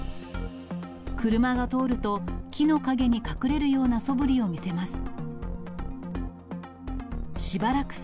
車が通ると、木の陰に隠れるようなそぶりを見せます。